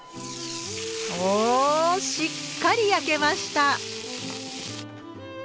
おしっかり焼けました！